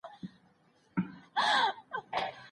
څېړونکی باید د تېر وخت له داستانونو خبر وي.